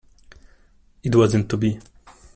It wasn't to be.